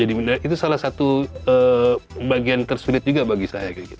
itu salah satu bagian tersulit juga bagi saya